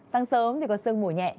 sáng sớm thì có sương mùi nhẹ